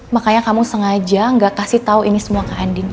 makanya kamu sengaja gak kasih tau ini semua ke andien ya kan